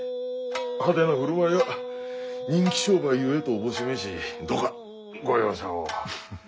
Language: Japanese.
派手な振る舞いは人気商売ゆえとおぼし召しどうかご容赦を。